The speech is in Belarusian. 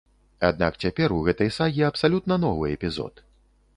Аднак цяпер у гэтай сагі абсалютна новы эпізод.